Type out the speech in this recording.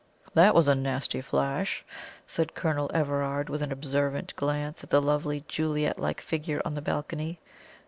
"That was a nasty flash," said Colonel Everard, with an observant glance at the lovely Juliet like figure on the balcony.